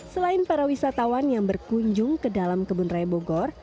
selain para wisatawan yang berkunjung ke dalam kebun raya bogor